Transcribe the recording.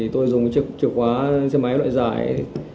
tôi dùng chiếc khóa xe máy loại dài